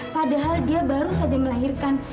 padahal dia baru saja melahirkan